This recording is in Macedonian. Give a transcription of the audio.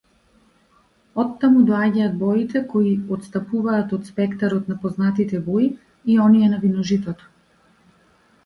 Оттаму доаѓаат боите кои отстапуваат од спектарот на познатите бои и оние на виножитото.